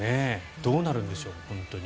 どうなるんでしょう、本当に。